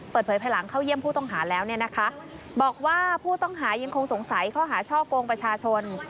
ภายหลังเข้าเยี่ยมผู้ต้องหาแล้วเนี่ยนะคะบอกว่าผู้ต้องหายังคงสงสัยข้อหาช่อกงประชาชน